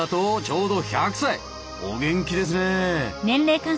お元気ですねえ。